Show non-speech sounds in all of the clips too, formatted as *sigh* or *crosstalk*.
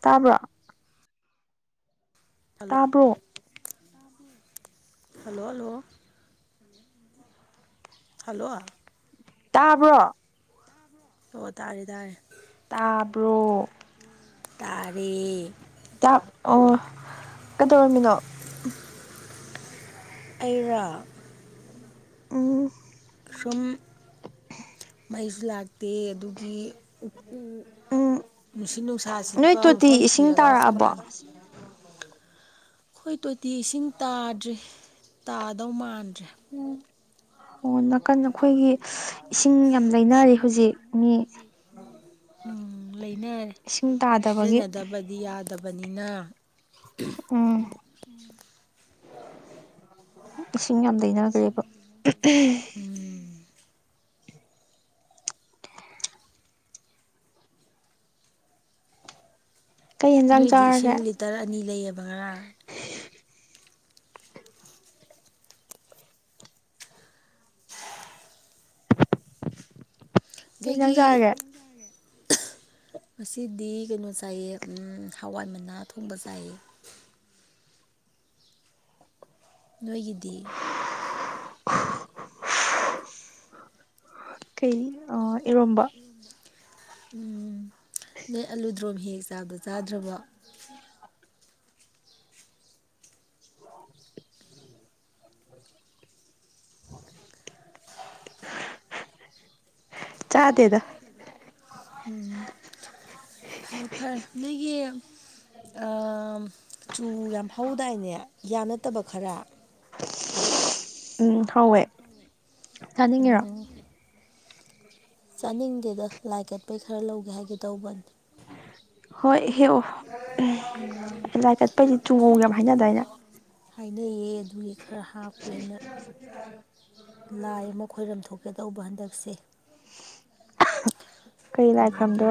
ꯇꯥꯕ꯭ꯔꯣ ꯇꯥꯕ꯭ꯔꯣ hello hello hello ꯇꯥꯕ꯭ꯔꯣ ꯑꯣ ꯇꯥꯔꯦ ꯇꯥꯔꯦ ꯇꯥꯕ꯭ꯔꯣ ꯇꯔꯦ ꯇꯥꯕꯔꯣ ꯀꯩꯗꯧꯔꯝꯃꯤꯅꯣ ꯑꯩꯔꯥ ꯎꯝ ꯁꯨꯝ ꯃꯩꯁꯨ ꯂꯥꯛꯇꯦ ꯑꯗꯨꯒꯤ ꯅꯨꯡꯁꯤꯠ ꯅꯨꯡꯁꯥ ꯁꯤꯠꯄ ꯃꯐꯝ ꯊꯤꯔꯒ ꯍꯛꯆꯤꯠ ꯂꯥꯡꯉꯁꯤ ꯑꯩꯈꯣꯏ ꯇꯣꯇꯤ ꯏꯁꯤꯡ ꯇꯥꯗ꯭ꯔꯔꯤ ꯇꯥꯗꯧ ꯃꯥꯟꯗ꯭ꯔꯦ ꯎꯝ ꯑꯣ ꯅꯥꯀꯟ ꯑꯩꯈꯣꯏꯒꯤ ꯏꯁꯤꯡ ꯌꯥꯝ ꯂꯩꯅꯔꯦ ꯍꯧꯖꯤꯛ ꯃꯤ ꯂꯩꯅ ꯁꯤꯖꯤꯟꯅꯗꯕꯗꯤ ꯌꯥꯗꯕꯅꯤꯅ ꯎꯝ ꯏꯁꯤꯡ ꯌꯥꯝ ꯇꯩꯅꯈ꯭ꯔꯦꯕ ꯅꯣꯏꯗꯤ ꯏꯁꯤꯡ ꯂꯤꯇꯔ ꯑꯅꯤ ꯂꯩꯑꯕ ꯉꯔꯥꯡ ꯀꯩ ꯍꯦꯟꯖꯥꯡ ꯆꯥꯔꯒꯦ ꯃꯁꯤꯗꯤ ꯀꯩꯅꯣ ꯆꯥꯏꯌꯦ ꯍꯋꯥꯏ ꯃꯅꯥ ꯊꯣꯡꯕ ꯆꯥꯏꯌꯦ ꯅꯣꯏꯒꯤꯗꯤ *unintelligible* ꯀꯩ ꯏꯔꯣꯝꯕ ꯎꯝ ꯅꯣꯏ ꯑꯂꯨꯗ꯭ꯔꯣꯝ ꯍꯦꯛ ꯆꯥꯕꯗ ꯆꯥꯗ꯭ꯔꯕ *unintelligible* ꯆꯥꯗꯦꯗ *unintelligible* ꯎꯝ ꯐꯔꯦ ꯐꯔꯦ ꯅꯣꯏꯒꯤ ꯆꯨ ꯌꯥꯝ ꯍꯧꯗꯥꯏꯅꯦ ꯌꯥ ꯅꯠꯇꯕ ꯈꯔ ꯎꯝ ꯍꯥꯎꯋꯦ ꯆꯥꯅꯤꯡꯉꯤꯔꯣ ꯆꯥꯅꯤꯡꯗꯦꯗ ꯂꯥꯏ ꯀꯠꯄꯩ ꯈꯔ ꯂꯧꯒꯦ ꯍꯥꯏꯒꯦ ꯇꯧꯕꯅꯤ ꯍꯣꯏ ꯍꯦꯛ ꯂꯥꯏ ꯀꯠꯄꯩꯗꯤ ꯆꯣꯡꯍꯣꯡꯒꯦ ꯍꯥꯏꯅꯗꯥꯏꯅꯦ ꯍꯥꯏꯅꯩꯌꯦ ꯑꯗꯨꯒꯤ ꯈꯔ ꯍꯥꯞꯀꯦꯅ ꯂꯥꯏ ꯑꯃ ꯈꯣꯏꯔꯝ ꯊꯣꯛꯀꯦ ꯇꯧꯕ ꯍꯟꯗꯛꯁꯦ ꯀꯩꯅꯣꯒꯤ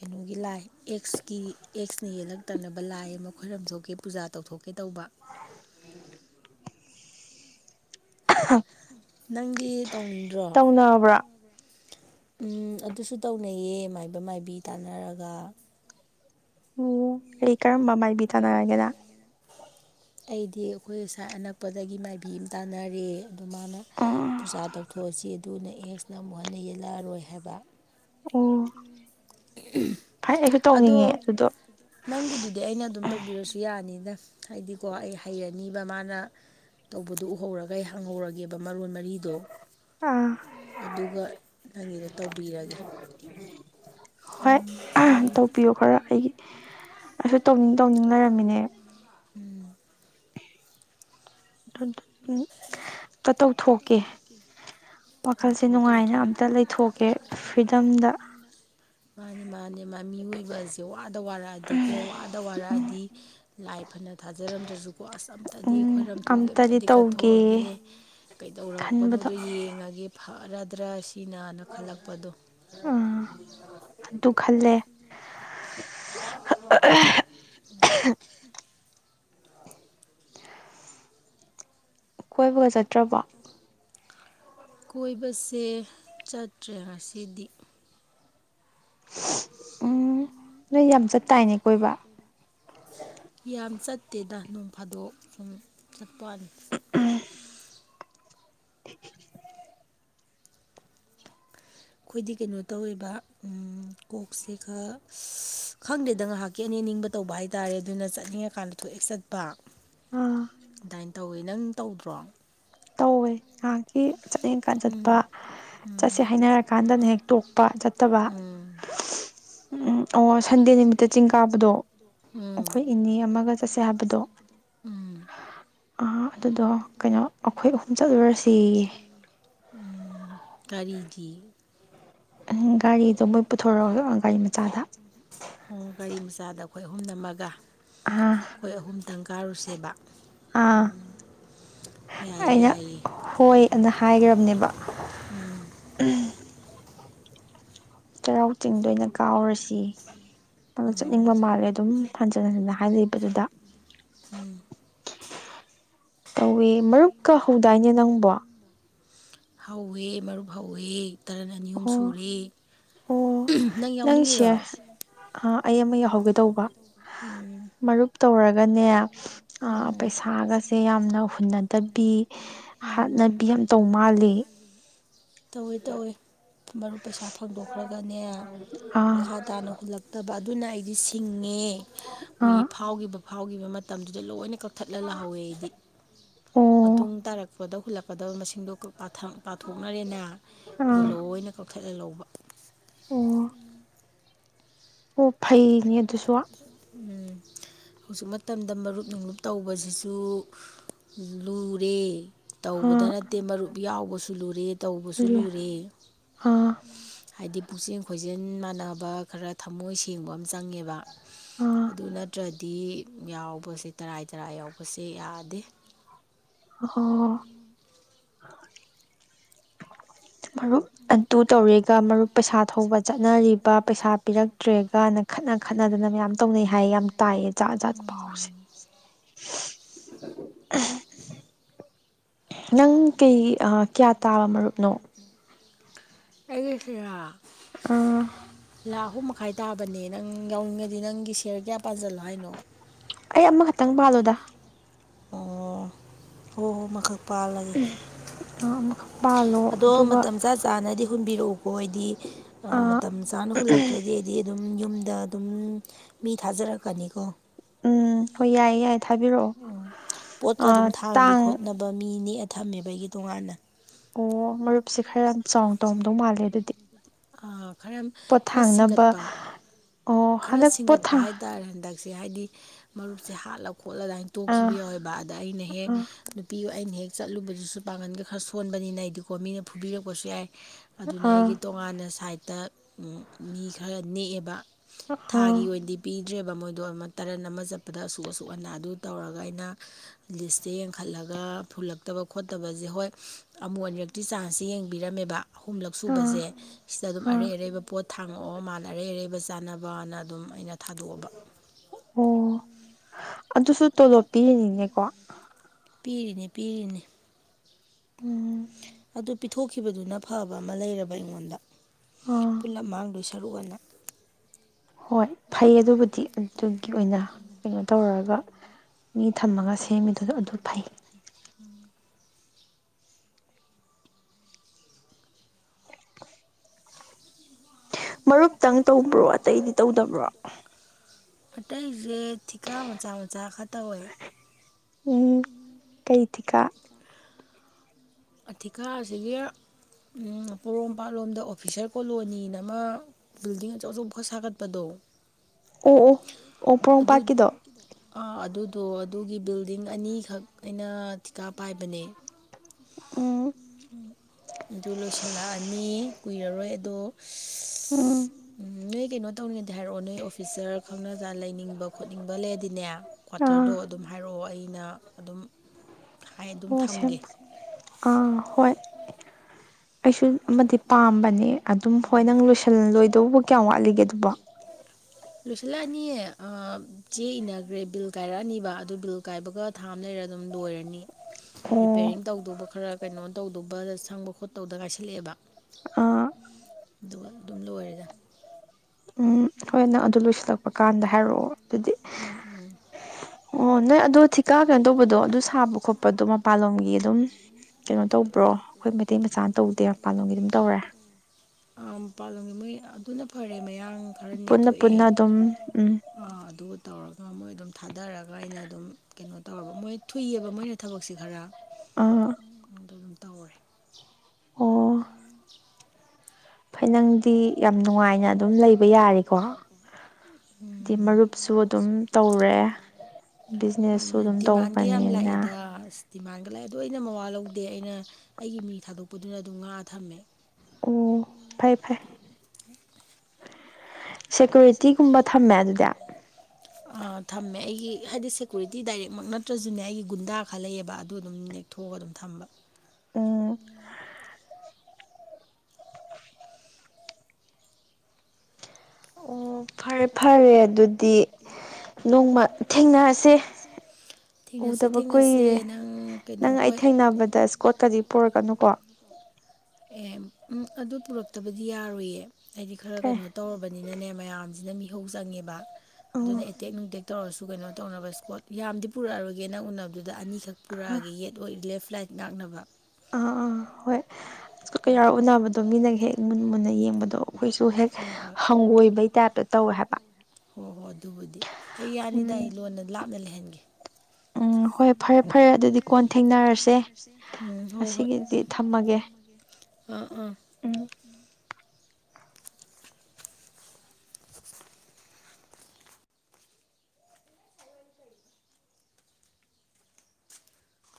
ꯀꯩꯅꯣꯒꯤ ꯂꯥꯏ ꯑꯦꯛꯁꯀꯤ ꯑꯦꯛꯁꯅ ꯌꯦꯜꯂꯛꯇꯅꯕ ꯂꯥꯏ ꯑꯃ ꯈꯣꯏꯔꯝ ꯊꯣꯛꯣꯛꯀꯦ ꯄꯨꯖꯥ ꯇꯧꯊꯣꯛꯀꯦ ꯇꯧꯕ *unintelligible* ꯅꯪꯗꯤ ꯇꯧꯅꯤꯡꯗ꯭ꯔꯣ ꯅꯥꯕ꯭ꯔꯥ ꯎꯝ ꯑꯗꯨꯁꯨ ꯇꯧꯅꯩꯌꯦ ꯃꯥꯏꯕ ꯃꯥꯏꯕꯤ ꯇꯥꯟꯅꯔꯒ ꯑꯣ ꯑꯩ ꯀꯔꯝꯕ ꯃꯥꯏꯕꯤ ꯇꯥꯟꯅꯔꯒꯦꯗ ꯑꯩꯗꯤ ꯑꯩꯈꯣꯏ ꯁꯥꯏ ꯑꯅꯛꯄꯗꯒꯤ ꯃꯥꯏꯕꯤ ꯑꯃ ꯇꯥꯟꯅꯔꯦ ꯑꯗꯣ ꯃꯥꯅ ꯑꯥ ꯄꯨꯖꯥ ꯇꯧꯊꯣꯛꯑꯁꯤ ꯑꯗꯨꯅ ꯑꯦꯛꯁꯅ ꯑꯃꯨꯛ ꯍꯟꯅ ꯌꯦꯜꯂꯛꯑꯔꯣꯏ ꯍꯥꯏꯕ ꯑꯣ ꯑꯗꯣ ꯅꯪꯒꯤꯗꯨꯗꯤ ꯑꯩꯅ ꯑꯗꯨꯝ ꯇꯧꯕꯤꯔꯁꯨ ꯁꯌꯥꯅꯤꯅ ꯍꯥꯏꯗꯤꯀꯣ ꯑꯩ ꯍꯩꯔꯅꯤꯕ ꯃꯥꯅ ꯇꯧꯕꯗꯨꯣ ꯎꯍꯧꯔꯒ ꯑꯩ ꯍꯥꯡꯍꯧꯔꯒꯦꯕ ꯃꯔꯣꯟ ꯃꯔꯤ ꯑꯗꯣ ꯑꯗꯨꯒ ꯅꯪꯒꯤꯗ ꯇꯧꯕꯤꯔꯒꯦ *unintelligible* ꯍꯣꯏ ꯇꯧꯕꯤꯌꯨ ꯈꯔ ꯑꯩꯒꯤ ꯑꯁꯨ ꯇꯧꯅꯤꯡ ꯇꯧꯅꯤꯡ ꯂꯩꯔꯝꯃꯤꯅꯦ ꯇꯧꯊꯣꯛꯀꯦ ꯋꯥꯈꯜꯁꯦ ꯅꯨꯡꯉꯥꯏꯅ ꯑꯝꯇ ꯂꯩꯊꯣꯛꯀꯦ ꯐ꯭ꯔꯤꯗꯝꯗ ꯃꯥꯅꯤ ꯃꯥꯅꯤ ꯃꯤꯑꯣꯏꯕꯁꯦ ꯋꯥꯗ ꯋꯥꯔꯛꯑꯗꯤꯀꯣ ꯋꯥꯗ ꯋꯥꯔꯛꯑꯗꯤ ꯂꯥꯏ ꯐꯅ ꯊꯥꯖꯔꯝꯗ꯭ꯔꯁꯨꯀꯣ ꯑꯁ ꯑꯝꯇꯗꯤ ꯈꯣꯏꯔꯝꯊ ꯊꯣꯛꯒꯦ ꯑꯝꯇꯗꯤ ꯀꯠꯊꯣꯛꯑꯒꯦ ꯀꯩꯗꯧꯔꯛꯄꯅꯣꯗꯣ ꯌꯦꯡꯉꯒꯦ ꯐꯔꯗ꯭ꯔꯥ ꯁꯤꯅꯅ ꯈꯜꯂꯛꯄꯗꯣ ꯑꯗꯨ ꯈꯜꯂꯦ *unintelligible* ꯀꯣꯏꯕꯒ ꯆꯠꯇ꯭ꯔꯕꯣ ꯀꯣꯏꯕꯁꯦ ꯆꯠꯇ꯭ꯔꯦ ꯉꯁꯤꯗꯤ ꯎꯝ ꯅꯣꯏ ꯌꯥꯝ ꯆꯠ ꯇꯥꯏꯅꯦ ꯀꯣꯏꯕ ꯌꯥꯝ ꯆꯠꯇꯦꯗ ꯅꯣꯡ ꯐꯥꯗꯣꯛ ꯁꯨꯝ ꯆꯠꯄꯋꯥꯅꯦ ꯑꯩꯈꯣꯏꯗꯤ ꯀꯩꯅꯣ ꯇꯧꯋꯦꯕ ꯎꯝ ꯀꯣꯛꯁꯦ ꯈꯔ ꯈꯪꯗꯦꯗ ꯉꯥꯏꯍꯥꯛꯀꯤ ꯑꯅꯤꯡ ꯅꯤꯡꯕ ꯇꯧꯕ ꯍꯥꯏꯇꯥꯔꯦ ꯑꯗꯨꯅ ꯆꯠꯅꯤꯡꯉꯀꯥꯟꯗ ꯊꯣꯛꯑꯦꯛ ꯆꯠꯄ *unintelligible* ꯑꯗꯨꯃꯥꯏꯅ ꯇꯧꯋꯤ ꯅꯪ ꯇꯧꯗ꯭ꯔꯣ ꯇꯧꯋꯦ ꯉꯥꯏꯍꯥꯛꯀꯤ ꯆꯠꯅꯤꯡꯀꯥꯟ ꯆꯠꯄ ꯆꯠꯁꯦ ꯍꯥꯏꯅꯔꯀꯥꯟꯗꯅ ꯍꯦꯛ ꯇꯣꯛꯄ ꯆꯠ ꯆꯠꯇꯕ ꯑꯣ ꯁꯟꯗꯦ ꯅꯨꯃꯤꯠꯇ ꯆꯤꯡ ꯀꯥꯕꯗꯣ ꯑꯩꯈꯣꯏ ꯏꯅꯦ ꯑꯃꯒ ꯆꯠꯁꯦ ꯍꯥꯏꯕꯗꯣ ꯑꯥ ꯑꯗꯨꯗꯣ ꯀꯩꯅꯣ ꯑꯩꯈꯣꯏ ꯑꯍꯨꯝ ꯆꯠꯂꯨꯔꯥ ꯁꯦꯌꯦ ꯒꯥꯔꯤꯗꯤ ꯒꯥꯔꯤꯗꯣ ꯃꯣꯏ ꯄꯨꯊꯣꯔꯛꯑꯣꯒꯌꯣ ꯒꯥꯔꯤ ꯃꯆꯥꯗ ꯎꯝ ꯒꯥꯔꯤ ꯃꯆꯥꯗ ꯑꯩꯈꯣꯏ ꯑꯍꯨꯝ ꯅꯝꯃꯒꯥ ꯑꯥ ꯑꯩꯈꯣꯏ ꯑꯍꯨꯝꯇꯪ ꯀꯥꯔꯨꯁꯦꯕ ꯑꯥ ꯑꯩꯅ ꯍꯣꯏꯅꯥ ꯍꯥꯏꯈ꯭ꯔꯕꯅꯦꯕ ꯎꯝ *unintelligible* ꯆꯩꯔꯥꯎ ꯆꯤꯡꯗ ꯑꯣꯏꯅ ꯀꯥꯎꯔꯁꯤ ꯃꯥꯅ ꯆꯠꯅꯤꯡꯕ ꯃꯥꯜꯂꯦ ꯑꯗꯨꯝ ꯍꯥꯟꯖ ꯍꯥꯖꯟꯅ ꯍꯥꯏ ꯂꯩꯕꯥ ꯗꯨꯗꯥ ꯎꯝ ꯇꯧꯋꯦ ꯃꯔꯨꯞꯀꯥ ꯍꯧꯗꯥꯏꯅꯦ ꯅꯪꯕꯣ ꯍꯧꯋꯦ ꯃꯔꯨꯞ ꯍꯧꯋꯦ ꯇꯔꯟ ꯑꯅꯤ ꯑꯍꯨꯝ ꯁꯨꯔꯦ ꯑꯣ ꯅꯪ ꯁꯦꯌꯔ ꯑꯩ ꯑꯃꯥ ꯌꯧꯍꯧꯒꯦ ꯇꯧꯕ ꯎꯝ ꯇꯧꯔꯒꯅꯦ ꯑꯥ ꯄꯩꯁꯥꯒꯁꯦ ꯌꯥꯝꯅ ꯍꯨꯟꯅꯗꯕꯤ ꯍꯥꯠꯅꯕꯤ ꯌꯥꯝ ꯇꯧ ꯃꯥꯜꯂꯦ *inaudible* ꯇꯧꯏꯋꯦ ꯇꯧꯏꯋꯦ ꯃꯔꯨꯞ ꯄꯩꯁꯥ ꯐꯪꯗꯣꯛꯈ꯭ꯔꯒꯅꯦ ꯃꯈꯥ ꯇꯥꯅ ꯍꯨꯜꯂꯛ ꯍꯨꯜꯂꯛꯇꯕ ꯑꯗꯨꯅ ꯑꯩꯗꯤ ꯁꯤꯡꯉꯦ ꯃꯣꯏꯒꯤ ꯐꯥꯎꯈꯤꯕ ꯐꯥꯎꯈꯤꯕ ꯃꯇꯝꯗꯨꯗ ꯂꯣꯏꯅ ꯀꯛ ꯀꯛꯊꯠꯂꯥ ꯂꯧꯍꯧꯋꯦ ꯑꯩꯗꯤ ꯃꯇꯨꯡ ꯇꯥꯔꯛꯄꯗ ꯍꯨꯜꯂꯛꯀꯗꯕ ꯃꯁꯤꯡꯗꯣ ꯄꯥꯇꯥꯛ ꯄꯥꯊꯣꯛꯅꯔꯦꯅ ꯑꯗꯨꯒ ꯂꯣꯏꯅ ꯀꯛꯊꯠꯂ ꯂꯧꯕ ꯑꯣ *unintelligible* *inaudible* ꯎꯝ ꯍꯧꯖꯤꯛ ꯃꯇꯝꯗ ꯃꯔꯨꯞ ꯅꯨꯡꯂꯨꯞ ꯇꯧꯕꯁꯤꯁꯨ ꯂꯨꯔꯦ ꯇꯧꯕꯗ ꯅꯠꯇꯦ ꯃꯔꯨꯞ ꯌꯥꯎꯕꯁꯨ ꯂꯨꯔꯦ ꯇꯧꯕꯁꯨ ꯂꯨꯔꯦ ꯍꯥꯏꯗꯤ ꯄꯨꯛꯆꯦꯜ ꯈꯣꯏꯆꯦꯜ ꯃꯥꯟꯅꯕ ꯈꯔ ꯊꯝꯃꯣꯏ ꯁꯦꯡꯕ ꯑꯃ ꯆꯪꯉꯦꯕ ꯑꯗꯨ ꯅꯠꯇ꯭ꯔꯗꯤ ꯌꯥꯎꯕꯁꯦ ꯇꯔꯥꯏ ꯇꯔꯥꯏ ꯌꯥꯎꯕꯁꯦ ꯌꯥꯗꯦ ꯑꯣ ꯍꯣ ꯍꯣ ꯃꯔꯨꯞ ꯑꯗꯨ ꯇꯧꯔꯦꯒ ꯃꯔꯨꯞ ꯄꯩꯁꯥ ꯊꯧꯕ ꯆꯠꯅꯔꯤꯕ ꯄꯩꯁꯥ ꯄꯤꯔꯛꯇ꯭ꯔꯦꯒꯦꯅꯥ ꯈꯠꯅ ꯈꯠꯅꯗꯅ ꯃꯌꯥꯝ ꯇꯧꯅꯩ ꯍꯥꯏꯌꯦ ꯌꯥꯝ ꯇꯥꯏꯌꯦ ꯖꯥꯠ ꯖꯥꯠ ꯄꯥꯎꯁꯦ *unintelligible* ꯅꯪ ꯀꯩ ꯀꯌꯥ ꯇꯥꯕ ꯃꯔꯨꯞꯅꯣ ꯑꯩꯒꯤꯁꯤꯔꯣ ꯑ ꯂꯥꯈ ꯑꯍꯨꯝ ꯃꯈꯥꯏ ꯇꯥꯕꯅꯦ ꯅꯪ ꯌꯥꯎꯅꯤꯡꯉꯗꯤ ꯅꯪꯒꯤ ꯁꯤꯌꯔ ꯀꯌꯥ ꯄꯥꯟꯁꯤꯜꯂꯣ ꯍꯥꯏꯅꯣ ꯑꯩ ꯑꯃꯈꯛꯇꯪ ꯄꯥꯜꯂꯨꯗ ꯑꯣ ꯍꯣ ꯍꯣ ꯑꯃꯥꯈꯛ ꯑꯃꯈꯛ ꯄꯥꯜꯂꯣ ꯑꯗꯨꯒ ꯆꯥꯅꯗꯤ ꯍꯨꯟꯕꯤꯔꯛꯎꯀꯣ ꯑꯩꯗꯤ ꯃꯇꯝ ꯆꯥꯅ ꯍꯨꯜꯂꯛꯇ꯭ꯔꯗꯤ ꯑꯩꯗꯤ ꯑꯗꯨꯝ ꯌꯨꯝꯗ ꯑꯗꯨꯝ ꯃꯤ ꯊꯥꯖꯔꯛꯀꯅꯤꯀꯣ ꯎꯝ ꯍꯣꯏ ꯌꯥꯏꯌꯦ ꯌꯥꯏ ꯊꯥꯕꯤꯔꯛꯑꯣ ꯄꯣꯠꯀ ꯑꯗꯨꯝ ꯊꯥꯡꯕꯤ ꯈꯣꯠꯅꯕ ꯃꯤ ꯅꯦꯛꯑ ꯊꯝꯃꯦꯕ ꯑꯩꯒꯤ ꯇꯣꯉꯥꯟꯅ ꯑꯣ ꯃꯔꯨꯞꯁꯦ ꯈꯔ ꯌꯥꯝ ꯆꯥꯎꯅ ꯇꯧꯝꯗꯧ ꯃꯥꯜꯂꯦ ꯑꯗꯨꯗꯤ ꯈꯔ ꯈꯔ ꯁꯤꯡꯒꯠꯄ ꯈꯔ ꯁꯤꯡꯒꯠꯄ ꯍꯥꯏ ꯍꯥꯏꯇꯥꯔꯦ ꯍꯟꯗꯛꯁꯦ ꯍꯥꯏꯗꯤ ꯃꯔꯨꯞꯁꯦ ꯍꯥꯠꯂ ꯈꯣꯠꯂ ꯑꯗꯨꯃꯥꯏꯅ ꯇꯣꯛꯈꯤꯕ ꯌꯥꯎꯋꯦꯕ ꯑ ꯑꯗ ꯑꯩꯅ ꯍꯦꯛ ꯅꯨꯄꯤ ꯑꯩꯅ ꯍꯦꯛ ꯆꯠꯂꯨꯕꯗꯨꯁꯨ ꯄꯥꯡꯒꯜꯒ ꯈꯔ ꯁꯣꯟꯕꯅꯤꯅ ꯑꯩꯗꯤꯀꯣ ꯃꯤꯅ ꯐꯨꯕꯤꯔꯛꯄꯁꯨ ꯌꯥꯏ ꯑꯗꯨꯅ ꯑꯩꯒꯤ ꯇꯣꯉꯥꯟꯅ ꯁꯥꯏꯠꯇ ꯃꯤ ꯈꯔ ꯅꯦꯛꯑꯦꯕ ꯊꯥꯒꯤ ꯑꯣꯏꯅꯗꯤ ꯄꯤꯗ꯭ꯔꯦꯕ ꯃꯣꯏꯗꯣ ꯑꯃ ꯇꯔꯟ ꯑꯃ ꯆꯠꯄꯗ ꯑꯁꯨꯛ ꯑꯁꯨꯛ ꯑꯅꯥ ꯑꯗꯨ ꯇꯧꯔꯒ ꯑꯩꯅ ꯂꯤꯁꯇꯦ ꯌꯦꯡꯈꯠꯂꯒ ꯐꯨꯜꯂꯛꯇꯕ ꯈꯣꯠꯇꯕꯁꯦ ꯍꯣꯏ ꯑꯃꯨꯛ ꯑꯅꯤꯔꯛꯇꯤ ꯆꯥꯟꯁꯁꯦ ꯌꯦꯡꯕꯤꯔꯝꯃꯦꯕ ꯑꯍꯨꯝꯂꯛ ꯁꯨꯕꯁꯦ ꯁꯤꯗ ꯑꯗꯨꯝ ꯑꯔꯩ ꯑꯔꯩꯕ ꯄꯣꯠ ꯊꯥꯡꯉꯛꯑꯣ ꯃꯥꯅ ꯑꯔꯩ ꯑꯔꯩꯕ ꯆꯥꯅꯕꯅ ꯑꯗꯨꯝ ꯑꯩꯅ ꯊꯥꯗꯣꯛꯑꯕ ꯑꯣ ꯑꯗꯨꯁꯨ ꯇꯣꯂꯣꯞ ꯄꯤꯅꯤꯅꯦꯀꯣ ꯄꯤꯔꯤꯅꯦ ꯄꯤꯔꯤꯅꯦ ꯑꯗꯨ ꯄꯤꯊꯣꯛꯈꯤꯕꯗꯨꯅ ꯐꯕ ꯑꯃ ꯂꯩꯔꯕ ꯑꯩꯉꯣꯟꯗ ꯄꯨꯂꯞ ꯃꯥꯡꯗꯣꯏꯁ ꯇꯔꯨꯛ ꯑꯅ ꯍꯣꯏ ꯐꯩ ꯑꯗꯨꯕꯨꯗꯤ ꯑꯗꯨꯒꯤ ꯑꯣꯏꯅ ꯀꯩꯅꯣ ꯇꯧꯔꯒ ꯃꯤ ꯊꯝꯃꯒ ꯁꯦꯝꯃꯤꯗꯨꯗꯣ ꯑꯗꯨ ꯐꯩ ꯃꯔꯨꯞꯇꯪ ꯇꯧꯕ꯭ꯔꯣ ꯑꯇꯩꯗꯤ ꯇꯧꯗꯕ꯭ꯔꯣ ꯑꯇꯩꯁꯦ ꯊꯤꯀꯥ ꯃꯆꯥ ꯃꯆꯥ ꯈꯔ ꯇꯧꯋꯦ ꯎꯝ ꯀꯩ ꯊꯤꯀꯥ ꯑꯥꯊꯤꯀꯥ ꯑꯁꯤꯒꯤꯒꯤ ꯄꯣꯔꯣꯝꯄꯥꯠꯂꯣꯝꯗ ꯑꯣꯐꯤꯁꯔ ꯀꯣꯂꯣꯅꯤꯅ ꯑꯃ ꯕꯤꯜꯗꯤꯡ ꯑꯆꯧ ꯑꯆꯧꯕ ꯈꯔ ꯁꯥꯒꯠꯄꯗꯣ ꯑꯗꯨ ꯑꯥ ꯑꯗꯨꯗꯣ ꯑꯗꯨꯒꯤ ꯕꯤꯜꯗꯤꯡ ꯑꯅꯤꯈꯛ ꯑꯩꯅ ꯊꯤꯀꯥ ꯄꯥꯏꯕꯅꯦ *unintelligible* ꯑꯗꯨ ꯂꯣꯏꯁꯤꯜꯂꯛꯑꯅꯤ ꯀꯨꯏꯔꯔꯣꯏ ꯑꯗꯣ ꯎꯝ ꯅꯣꯏ ꯀꯩꯅꯣ ꯇꯧꯅꯤꯡꯉꯗꯤ ꯍꯥꯏꯔꯛꯑꯣ ꯅꯣꯏ ꯑꯣꯐꯤꯁꯔ ꯈꯪꯅ ꯖꯥꯠ ꯂꯩꯅꯤꯡꯕ ꯈꯣꯠꯅꯤꯡꯕ ꯂꯩꯔꯗꯤꯅꯦ ꯀ꯭ꯋꯥꯇꯔꯗꯣ ꯑꯗꯨꯝ ꯍꯥꯏꯔꯛꯑꯣ ꯑꯩꯅ ꯑꯗꯨꯝ ꯍꯥꯏ ꯑꯗꯨꯝ ꯊꯝꯒꯦ ꯑꯥ ꯍꯣꯏ ꯑꯩꯁꯨ ꯑꯃꯗꯤ ꯄꯥꯝꯕꯅꯦ ꯑꯗꯨꯝ ꯍꯣꯏ ꯅꯪ ꯂꯣꯏꯁꯤꯜꯂꯣꯏꯗꯧꯕꯕꯨ ꯀꯌꯥꯝ ꯋꯥꯠꯂꯤꯒꯦ ꯑꯗꯨꯕꯣ ꯂꯣꯏꯁꯤꯜꯂꯛꯑꯅꯤ ꯆꯦ ꯏꯅꯈ꯭ꯔꯦ ꯕꯤꯜ ꯀꯥꯏꯔꯛꯑꯅꯤꯕ ꯑꯗꯨ ꯕꯤꯜ ꯀꯥꯏꯕꯒ ꯊꯥ ꯑꯃ ꯂꯣꯏꯔꯥ ꯑꯗꯨꯝ ꯂꯣꯏꯔꯅꯤ ꯔꯤꯄꯦꯔꯤꯡ ꯇꯧꯗꯧꯕ ꯈꯔ ꯀꯩꯅꯣ ꯇꯧꯗꯧꯕ ꯁꯪꯕ ꯈꯣꯠꯇꯧꯕꯗ ꯀꯥꯏꯁꯜꯂꯛꯑꯦꯕ ꯑꯗꯨꯒ ꯑꯗꯨꯝ ꯂꯣꯏꯔꯦꯒ ꯍꯣꯏ ꯅꯪ ꯑꯗꯨ ꯂꯣꯏꯁꯤꯜꯂꯛꯄ ꯀꯥꯟꯗ ꯍꯥꯏꯔꯛꯑꯣ ꯎꯝ ꯎꯝ ꯑꯣ ꯅꯣꯏ ꯑꯗꯣ ꯊꯤꯀꯥ ꯀꯩꯅꯣ ꯇꯧꯕꯗꯣ ꯑꯗꯨ ꯁꯥꯕ ꯈꯣꯠꯄꯗꯣ ꯃꯄꯥꯟꯂꯣꯝꯒꯤ ꯒꯤ ꯑꯗꯨꯝ ꯀꯩꯅꯣ ꯇꯧꯕ꯭ꯔꯣ ꯑꯩꯈꯣꯏ ꯃꯩꯇꯩ ꯃꯆꯥꯅ ꯇꯧꯗꯦ ꯃ ꯄꯥꯟꯂꯣꯝꯒꯤ ꯑꯗꯨꯝ ꯇꯧꯔꯦ ꯃꯄꯥꯥꯟꯂꯣꯒꯤ ꯃꯣꯏ ꯑꯗꯨꯅ ꯐꯔꯦ ꯃꯌꯥꯡ ꯈꯔ ꯅꯦꯛꯊꯣꯛꯑꯦ ꯑꯗꯨ ꯇꯧꯔꯒ ꯃꯣꯏ ꯑꯗꯨꯝ ꯊꯥꯗꯔꯒ ꯑꯩꯅ ꯑꯗꯨꯝ ꯀꯩꯅꯣ ꯇꯧꯔꯕ ꯃꯣꯏ ꯊꯨꯏꯑꯕ ꯃꯣꯏꯅ ꯊꯕꯛꯁꯦ ꯈꯔ ꯑ ꯗꯣ ꯑꯗꯨꯝ ꯇꯧꯔꯦ ꯑꯣ ꯐꯩ ꯅꯪꯗꯤ ꯌꯥꯝ ꯅꯨꯡꯉꯥꯏꯅ ꯑꯗꯨꯝ ꯂꯩꯕ ꯌꯥꯔꯦꯀꯣ ꯍꯥꯏꯗꯤ ꯃꯔꯨꯞꯁꯨ ꯑꯗꯨꯝ ꯇꯧꯔꯦ ꯕꯤꯖꯤꯅꯦꯁꯁꯨ ꯗꯤꯃꯥꯟꯒ ꯌꯥꯝ ꯂꯥꯛꯏꯗ ꯑꯁ ꯗꯤꯃꯥꯟꯒ ꯂꯥꯛꯑꯦ ꯑꯗꯣ ꯑꯩꯅ ꯃꯋꯥ ꯂꯧꯗꯦ ꯑꯩꯅ ꯑꯩꯒꯤ ꯃꯤ ꯊꯥꯗꯣꯛꯄꯗꯨꯅ ꯑꯗꯨꯝ ꯉꯥ ꯊꯝꯃꯦ ꯑꯣ ꯐꯥꯏ ꯐꯥꯏ ꯁꯦꯀ꯭ꯌꯨꯔꯤꯇꯤꯒꯨꯝꯕ ꯊꯝꯃꯦ ꯑꯗꯨꯗꯤ ꯊꯝꯃꯦ ꯑꯩꯒꯤ ꯍꯥꯏꯗꯤ ꯁꯦꯀꯨꯔꯤꯇꯤ ꯗꯥꯏꯔꯦꯛꯃꯛ ꯅꯠꯇ꯭ꯔꯁꯨꯅꯦ ꯑꯩꯒꯤ ꯒꯨꯟꯗꯥ ꯈꯔ ꯂꯩꯌꯦꯕ ꯑꯗꯨ ꯑꯗꯨꯝ ꯊꯣꯛꯑꯒ ꯑꯗꯨꯝ ꯊꯝꯕ ꯑꯣ ꯑꯣ ꯐꯔꯦ ꯐꯔꯦ ꯑꯗꯨ ꯑꯗꯨꯗꯤ ꯅꯣꯡꯃ ꯊꯦꯡꯅꯔꯁꯦ ꯎꯗꯕ ꯀꯨꯏꯔꯦ ꯅꯪ ꯑꯩ ꯊꯦꯡꯅꯕꯗ ꯏꯁꯀꯣꯠꯀꯗꯤ ꯄꯨꯔꯛꯀꯅꯨꯀꯣ ꯑꯦ ꯎꯝ ꯑꯗꯨ ꯄꯨꯔꯛꯇꯕꯗꯤ ꯌꯥꯔꯣꯏꯌꯦ ꯍꯥꯏꯗꯤ ꯈꯔ ꯀꯩꯅꯣ ꯇꯧꯔꯕ ꯅꯤꯅꯅꯦ ꯃꯌꯥꯝꯁꯤꯅ ꯃꯤꯍꯧ ꯆꯪꯉꯦꯕ ꯑꯗꯨꯅ ꯇꯦꯛ ꯅꯨꯡ ꯇꯦꯛ ꯇꯧꯔꯁꯨ ꯀꯩꯅꯣ ꯇꯧꯅꯕ ꯁ꯭ꯀꯣꯠ ꯌꯥꯝꯗꯤ ꯄꯨꯔꯛꯑꯔꯣꯏꯒꯦ ꯅꯡ ꯎꯅꯕꯗꯨꯗ ꯑꯅꯤꯈꯛ ꯄꯨꯔꯛꯑꯒꯦ ꯌꯦꯠ ꯑꯗꯨꯗ ꯂꯦꯐ ꯔꯥꯏꯠ ꯉꯥꯛꯅꯕ ꯑꯥ ꯑꯥ ꯍꯣꯏꯀꯌꯥꯎꯔ ꯎꯅꯕꯗꯣ ꯃꯤꯅꯒ ꯍꯦꯛ ꯃꯨꯟꯅ ꯃꯨꯟꯅ ꯌꯦꯡꯕꯗꯣ ꯑꯩꯈꯣꯏꯁꯨ ꯍꯦꯛ ꯍꯪꯒꯣꯏꯕꯩ ꯇꯥꯏꯞꯇ ꯇꯧꯋꯦ ꯍꯥꯏꯕ ꯍꯣ ꯍꯣꯏ ꯑꯗꯨꯕꯨꯗꯤ ꯑꯩ ꯌꯥꯅꯤꯗ ꯑꯩ ꯂꯣꯟꯅ ꯂꯥꯞꯅ ꯂꯩꯍꯟꯒꯦ ꯎꯝ ꯍꯣꯏ ꯐꯔꯦ ꯐꯔꯦ ꯑꯗꯨꯗꯤ ꯀꯣꯟ ꯊꯦꯡꯅꯔꯁꯦ ꯎꯝ ꯍꯣꯏ ꯍꯣꯏ ꯊꯝ ꯃꯒꯦ ꯑꯥ ꯑꯥ ꯎꯝ *inaudible*